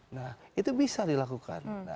nah itu bisa dilakukan